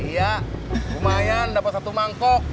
ya lumayan dapat satu mangkok